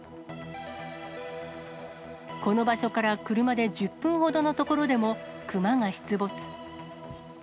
この場所から車で１０分ほどの所でも、クマが出没。